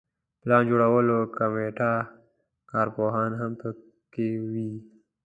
پلان جوړولو کمیټه کارپوهان هم په کې وي.